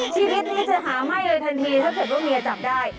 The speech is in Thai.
ชีวิตนี้จะหาไหม้เลยทันทีถ้าเกิดว่าเมียจับได้